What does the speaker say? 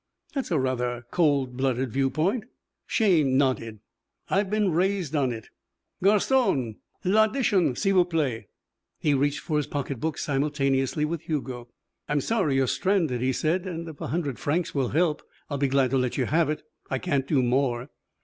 "That's a rather cold blooded viewpoint." Shayne nodded. "I've been raised on it. Garçon, l'addition, s'il vous plaît." He reached for his pocketbook simultaneously with Hugo. "I'm sorry you're stranded," he said, "and if a hundred francs will help, I'll be glad to let you have it. I can't do more."